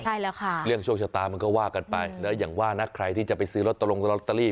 ใช่แล้วค่ะเรื่องโชคชะตามันก็ว่ากันไปแล้วอย่างว่านะใครที่จะไปซื้อลอตเตอรี่